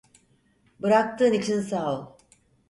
Bıraktığın için sağ ol.